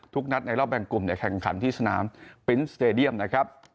ทุกนัดในรอบแบ่งกลุ่มเนี่ยแข่งขันที่สนามปรินสเตดียมนะครับ